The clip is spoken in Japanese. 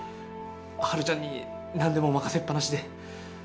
春ちゃんになんでも任せっぱなしで。